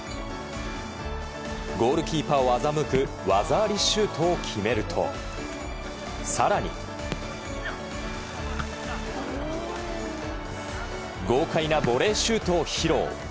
ゴールキーパーを欺く技ありシュートを決めると更に豪快なボレーシュートを披露。